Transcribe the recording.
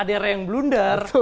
kader kader yang blunder